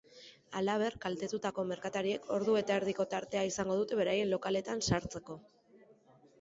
Halaber, kaltetutako merkatariek ordu eta erdiko tartea izango dute beraien lokaletan sartzeko.